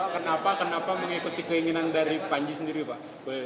kenapa kenapa mengikuti keinginan dari panji sendiri pak